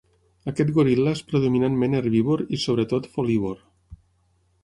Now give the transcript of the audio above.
Aquest goril·la és predominantment herbívor i sobretot folívor.